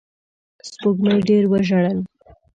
سپوږمۍ ډېر وژړل